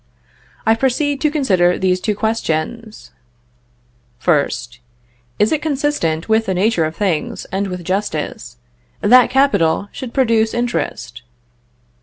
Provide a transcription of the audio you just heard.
I proceed to consider these two questions: 1st. Is it consistent with the nature of things, and with justice, that capital should produce interest?